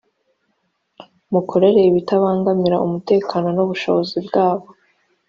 mukore ibitabangamira umutekano n ubushobozi bwabo.